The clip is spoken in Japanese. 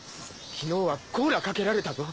昨日はコーラかけられたぞ。